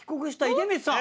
出光さん！